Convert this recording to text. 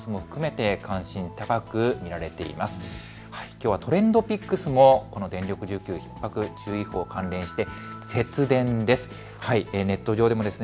きょうはＴｒｅｎｄＰｉｃｋｓもこの電力需給ひっ迫注意報に関連して、節電です。